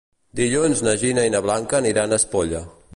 Dilluns na Gina i na Blanca aniran a Espolla.